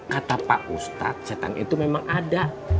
kata pak ustadz setan itu memang ada